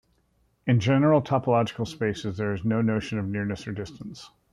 In general topological spaces, there is no notion of nearness or distance.